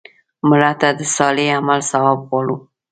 مړه ته د صالح عمل ثواب غواړو